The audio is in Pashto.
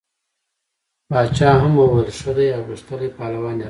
باچا هم وویل ښه دی او غښتلی پهلوان یې راووست.